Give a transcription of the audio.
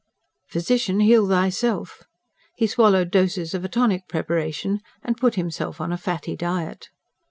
Physician, heal thyself! He swallowed doses of a tonic preparation, and put himself on a fatty diet.